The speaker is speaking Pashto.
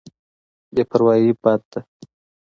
بې پروايي بد دی.